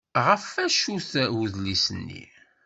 Ɣef wacu-t udlis-nni?